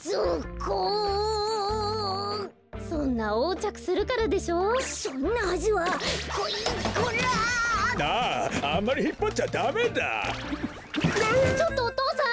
ちょっとお父さん。